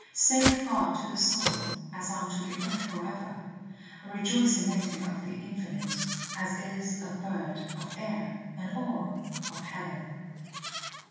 saith God to the soul, As unto the earth for ever. On it goes, A rejoicing native of the infinite, As is a bird, of air; an orb, of heaven.